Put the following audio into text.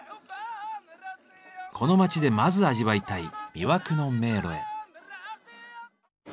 この町でまず味わいたい「魅惑の迷路」へ。